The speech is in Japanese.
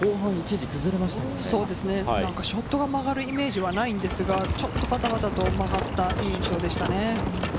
シンショットが曲がるイメージはないのですが、ちょっとバタバタと曲がった印象でした。